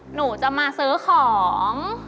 หนูจะมาซื้อของ